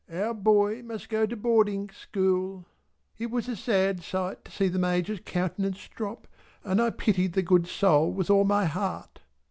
Our boy must go to boarding school." It was a sad sight to see the Major's countenance drop, and I pitied the good soul with all my heart.